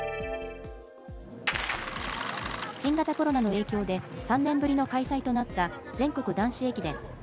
新型コロナの影響で、３年ぶりの開催となった全国男子駅伝。